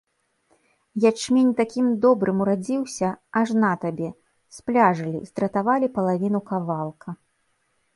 Ячмень такім добрым урадзіўся, аж на табе спляжылі, здратавалі палавіну кавалка.